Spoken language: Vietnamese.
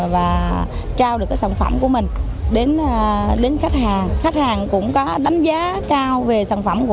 mà còn được khám phá tìm hiểu về các sản phẩm ô cóp của các nhà hàng